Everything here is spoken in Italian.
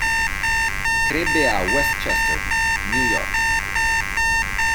Crebbe a Westchester, New York.